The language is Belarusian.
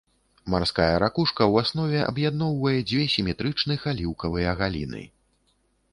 Марская ракушка ў аснове аб'ядноўвае дзве сіметрычных аліўкавыя галіны.